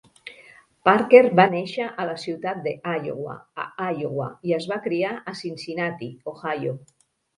Parker va néixer a la ciutat de Iowa, a Iowa, i es va criar a Cincinnati, Ohio.